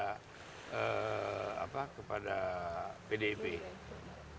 nah ini perlunya komunikasi instan antara presiden dengan pdp dan koalisi koalisi partai yang nantinya berada di dalam pemerintahan